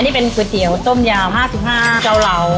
อันนี้เป็นก๋วยเตี๋ยวต้มยาว๕๕ฯเจ้าเหลาข้าวเปล่า๖๐ฯ